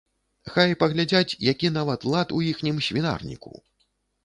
Хай паглядзяць, які нават лад у іхнім свінарніку.